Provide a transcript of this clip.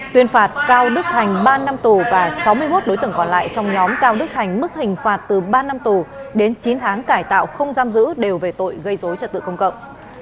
tuyên phạt cao đức thành ba năm tù và sáu mươi một đối tượng còn lại trong nhóm cao đức thành mức hình phạt từ ba năm tù đến chín tháng cải tạo không giam giữ đều về tội gây dối trật tự công cộng